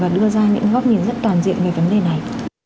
và đưa ra những góp nhìn rất toàn diện về vấn đề này